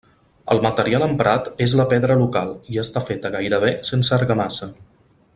El material emprat és la pedra local, i està feta gairebé sense argamassa.